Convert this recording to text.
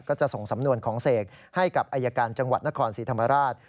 ก็จะส่งสำนวนของเสกให้กับอายการจังหวัดนครศรีธรรมราช